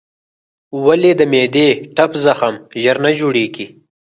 ولې د معدې ټپ زخم ژر نه جوړېږي؟